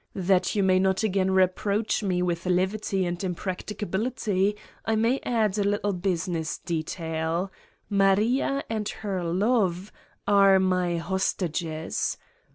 That you may not again reproach me with levity and impracticability, I may add a little business detail : Maria and her love are my host ages.